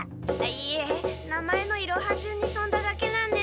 いえ名前のいろはじゅんにとんだだけなんです！